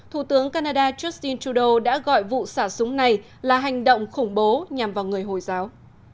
thủ tướng canada justin trudeau đã gọi vụ xả súng này là hành động khủng bố nhằm vào người hồi giáo